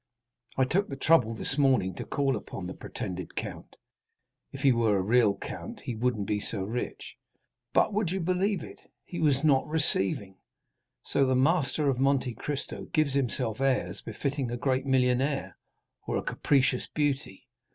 I took the trouble this morning to call on the pretended count—if he were a real count he wouldn't be so rich. But, would you believe it, 'He was not receiving.' So the master of Monte Cristo gives himself airs befitting a great millionaire or a capricious beauty.